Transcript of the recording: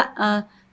banyak ya pak